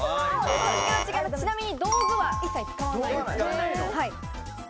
ちなみに道具は一切使わない。